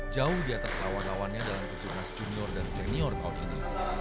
jauh di atas lawan lawannya dalam kejurnas junior dan senior tahun ini